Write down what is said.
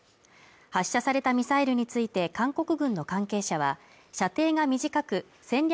発射されたミサイルについて韓国軍の関係者は射程が短く戦略